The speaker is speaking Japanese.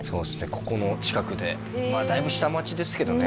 ここの近くでまあだいぶ下町ですけどね